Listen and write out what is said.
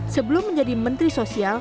sebelum menjadi menteri sosial